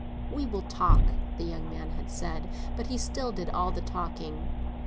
"We will talk," the young man had said; but he still did all the talking.